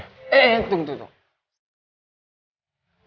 eh eh eh tunggu tunggu